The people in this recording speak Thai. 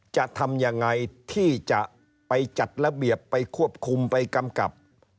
จะทำยังไงที่จะไปจัดระเบียบไปควบคุมไปกำกับ